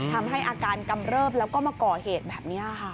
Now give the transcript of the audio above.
ทำให้อาการกำเริบแล้วก็มาก่อเหตุแบบนี้ค่ะ